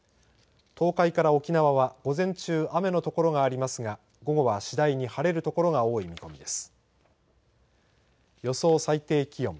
東海から沖縄は午前中雨の所がありますが午後は次第に晴れる所が多い見込みです。